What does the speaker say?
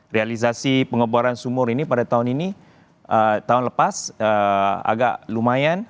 realisasi pengeboran sumur ini pada tahun ini tahun lepas agak lumayan